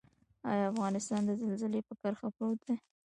آیا افغانستان د زلزلې په کرښه پروت دی؟